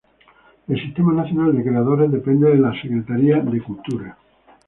El Sistema Nacional de Creadores depende del Secretaria de Cultura.